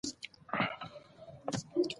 ازادي راډیو د امنیت د تحول لړۍ تعقیب کړې.